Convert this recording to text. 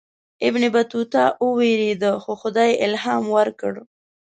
ابن بطوطه ووېرېدی خو خدای الهام ورکړ.